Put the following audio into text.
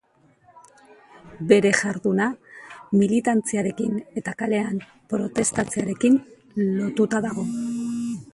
Bere jarduna militantziarekin eta kalean protestatzearekin lotuta dago.